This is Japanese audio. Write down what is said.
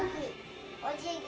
おじぎ。